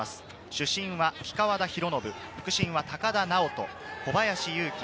主審は木川田博信、副審は高田直人、小林勇輝。